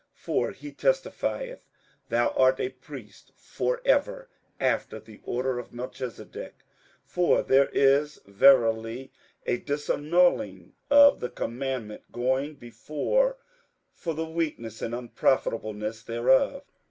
58:007:017 For he testifieth, Thou art a priest for ever after the order of Melchisedec. 58:007:018 For there is verily a disannulling of the commandment going before for the weakness and unprofitableness thereof.